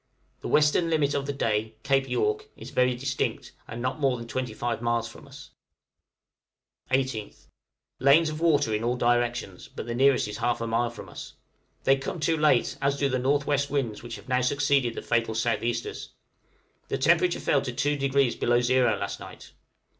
The western limit of the day Cape York is very distinct, and not more than 25 miles from us. {PREPARING FOR WINTER.} 18th. Lanes of water in all directions; but the nearest is half a mile from us. They come too late, as do also the N.W. winds which have now succeeded the fatal south easters. The temperature fell to 2° below zero last night.